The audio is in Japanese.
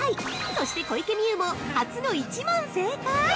そして、小池美由も初の１問正解。